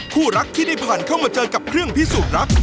คู่รักที่ได้ผ่านเข้ามาเจอกับเครื่องพิสูจน์รัก